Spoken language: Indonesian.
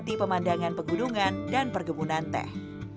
mati pemandangan pegunungan dan pergemunan teh